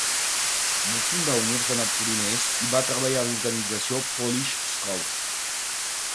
Va fundar un orfenat polonès i va treballar a l"organització Polish Scout.